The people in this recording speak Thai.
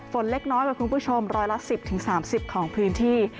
เล็กน้อยกว่าคุณผู้ชมร้อยละ๑๐๓๐ของพื้นที่